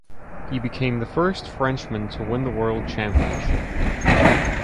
He became the first Frenchman to win the World Championship.